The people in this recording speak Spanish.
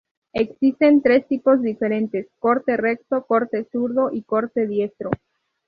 Existen tres tipos diferentes: "corte recto", "corte zurdo" y "corte diestro".